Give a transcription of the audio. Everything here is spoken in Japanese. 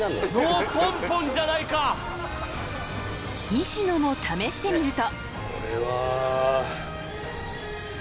西野も試してみると。